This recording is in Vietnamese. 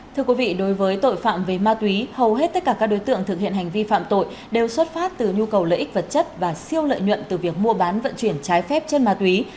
thưa quý vị đối với tội phạm về ma túy hầu hết tất cả các đối tượng thực hiện hành vi phạm tội đều xuất phát từ nhu cầu lợi ích vật chất và siêu lợi nhuận từ việc mua bán vận chuyển trái phép chân ma túy